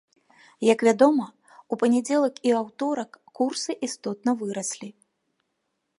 Як вядома, у панядзелак і аўторак курсы істотна выраслі.